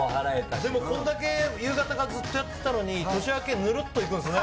でもこれだけ、夕方からずっとやってたのに、年明け、ぬるっといくんですね。